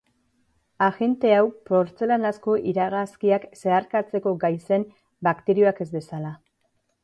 Agente hau portzelanazko iragazkiak zeharkatzeko gai zen, bakterioek ez bezala.